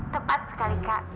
tepat sekali kak